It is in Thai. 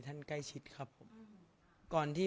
สงฆาตเจริญสงฆาตเจริญ